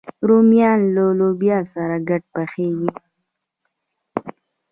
رومیان له لوبیا سره ګډ پخېږي